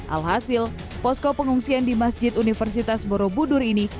alhasil posko pengungsian di masjid universitas borobudur ini